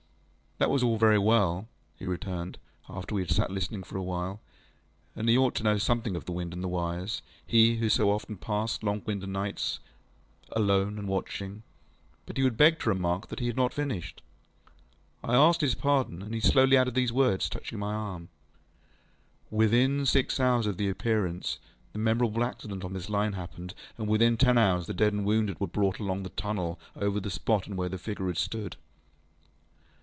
ŌĆØ That was all very well, he returned, after we had sat listening for a while, and he ought to know something of the wind and the wires, ŌĆöhe who so often passed long winter nights there, alone and watching. But he would beg to remark that he had not finished. I asked his pardon, and he slowly added these words, touching my arm, ŌĆö ŌĆ£Within six hours after the Appearance, the memorable accident on this Line happened, and within ten hours the dead and wounded were brought along through the tunnel over the spot where the figure had stood.